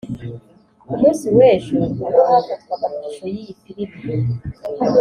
Ku munsi w’ejo ubwo hafatwaga amashusho y’iyi filimi